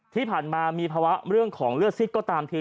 ที่ผ่านมามีภาวะเรื่องของเลือดซิดก็ตามที